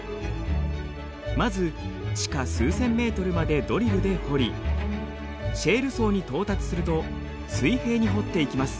まず地下数千ｍまでドリルで掘りシェール層に到達すると水平に掘っていきます。